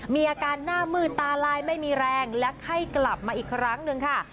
มีอาการหน้ามืดตาลายไม่มีแรงและไข้กลับมาอีกครั้งหนึ่งค่ะ